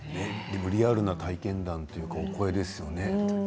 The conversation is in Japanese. でもリアルな体験談というかお声ですね。